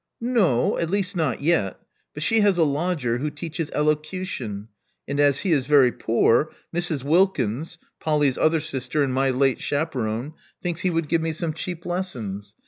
"No. At least not yet. But she has a lodger who teaches elocution; and as he is very poor, Mrs. Wilkins — Polly's other sister and my late chaperon — thinks he would give me some cheap lessons.